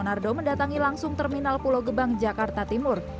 dan donardo mendatangi langsung terminal pulau gebang jakarta timur